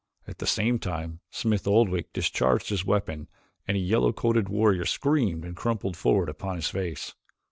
At the same time, Smith Oldwick discharged his weapon and a yellow coated warrior screamed and crumpled forward upon his face.